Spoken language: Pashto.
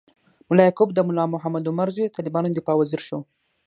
ملا یعقوب، د ملا محمد عمر زوی، د طالبانو د دفاع وزیر شو.